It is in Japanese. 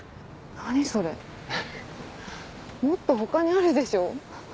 何それもっと他にあるでしょ？